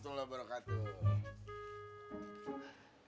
waalaikumsalam warahmatullahi wabarakatuh